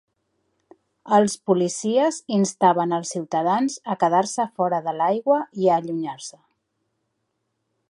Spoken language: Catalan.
Els policies instaven als ciutadans a quedar-se fora de l'aigua i a allunyar-se.